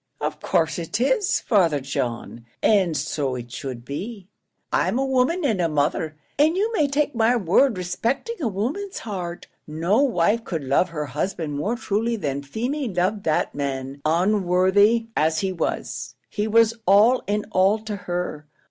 "Of course it is, Father John and so it should be. I'm a woman and a mother, and you may take my word respecting a woman's heart. No wife could love her husband more truly than Feemy loved that man: unworthy as he was, he was all in all to her.